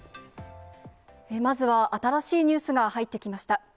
まずは新しいニュースが入ってきました。